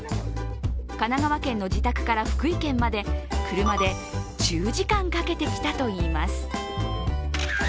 神奈川県の自宅から福井県まで車で１０時間かけて来たといいます。